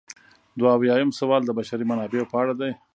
دوه اویایم سوال د بشري منابعو په اړه دی.